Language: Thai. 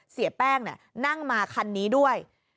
เสียแป้งนั่งมาคันนี้ด้วย